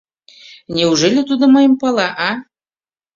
Неужели тудо мыйым пала, а?